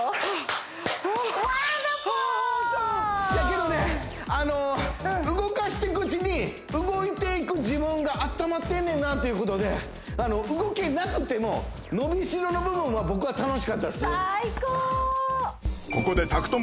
けどね動かしてくうちに動いていく自分が温まってんねんなということで動けなくても伸びしろの部分は僕は楽しかったです最高！